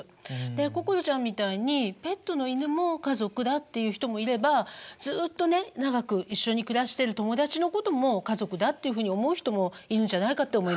で心ちゃんみたいにペットの犬も家族だっていう人もいればずっとね長く一緒に暮らしてる友達のことも家族だっていうふうに思う人もいるんじゃないかって思いました。